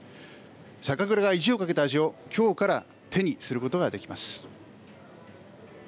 酒蔵が意地をかけた味をきょうから手にすることができます。